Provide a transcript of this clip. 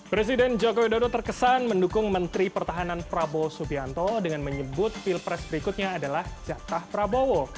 presiden jokowi dodo terkesan mendukung menteri pertahanan prabowo subianto dengan menyebut pilpres berikutnya adalah jatah prabowo